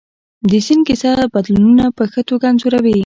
د سیند کیسه بدلونونه په ښه توګه انځوروي.